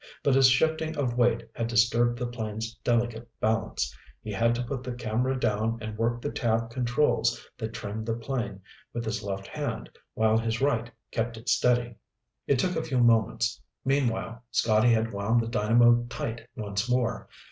But his shifting of weight had disturbed the plane's delicate balance. He had to put the camera down and work the tab controls that trimmed the plane with his left hand while his right kept it steady. It took a few moments. Meanwhile, Scotty had wound the dynamo tight once more.